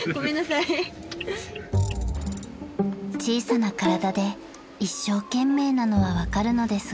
［小さな体で一生懸命なのは分かるのですが］